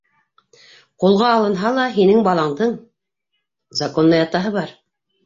Ҡулға алынһа ла, һинең баландың... законный атаһы бар.